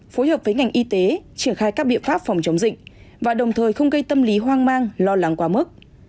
phối hợp với ngành y tế triển khai các biện pháp phòng chống dịch và đồng thời không gây tâm lý hoang mang lo lắng quá mức